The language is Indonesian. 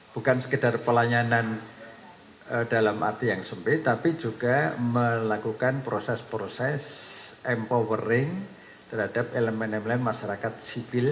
bukan sekedar pelayanan dalam arti yang sempit tapi juga melakukan proses proses empowering terhadap elemen elemen masyarakat sipil